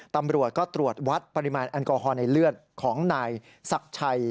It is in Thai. ตำรวจก็ตรวจวัดปริมาณแอลกอฮอลในเลือดของนายศักดิ์ชัย